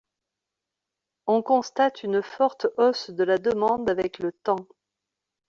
On constate une forte hausse de la demande avec le temps.